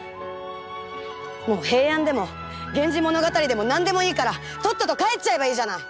もう平安でも「源氏物語」でも何でもいいからとっとと帰っちゃえばいいじゃない！